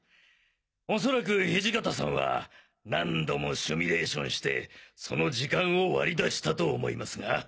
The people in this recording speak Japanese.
おそらく土方さんは何度もシミュレーションしてその時間を割り出したと思いますが。